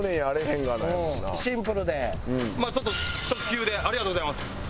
ちょっと急でありがとうございます。